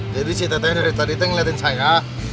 jadi si teteh dari tadi itu ngeliatin saya